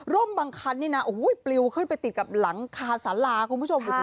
รมบังคันเนี่ยอุ๊ยปลิ้วขึ้นไปติดกับหลังขาสาราคุณผู้ชม